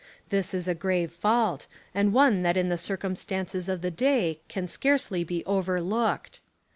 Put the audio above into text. This is a grave fault, and one that in the circum stances of the day can scarcely be overlooked.